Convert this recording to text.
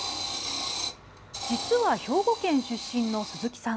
実は兵庫県出身の鈴木さん。